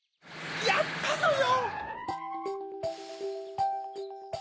やったぞよ！